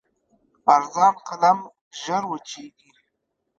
ارزان قلم ژر وچېږي.